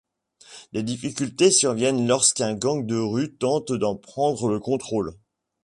Des difficultés surviennent lorsqu'un gang de rue tente d'en prendre le contrôle.